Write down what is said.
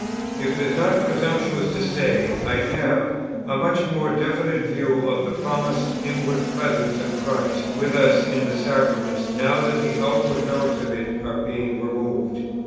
If it is not presumptuous to say, I have ... a much more definite view of the promised inward Presence of Christ with us in the Sacraments now that the outward notes of it are being removed.